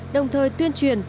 đồng thời tuyên truyền